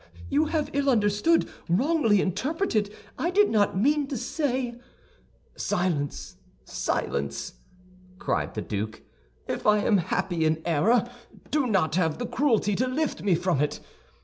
You have ill understood, wrongly interpreted; I did not mean to say—" "Silence, silence!" cried the duke. "If I am happy in an error, do not have the cruelty to lift me from it.